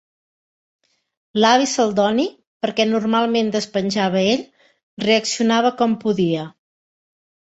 L'avi Celdoni, perquè normalment despenjava ell, reaccionava com podia.